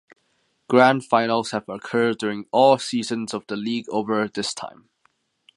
Grand finals have occurred during all seasons of the league over this time.